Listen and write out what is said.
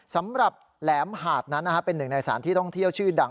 สำหรับแหลมหาดนั้นนะฮะเป็นหนึ่งในสารที่ท่องเที่ยวชื่อดัง